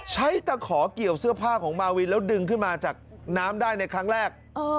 ตะขอเกี่ยวเสื้อผ้าของมาวินแล้วดึงขึ้นมาจากน้ำได้ในครั้งแรก